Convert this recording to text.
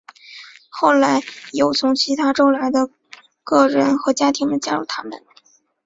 后来有从由其他州来的个人和家庭们加入他们。